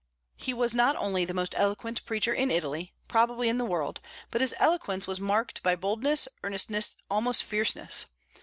He was not only the most eloquent preacher in Italy, probably in the world, but his eloquence was marked by boldness, earnestness, almost fierceness.